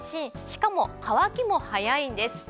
しかも乾きも早いんです。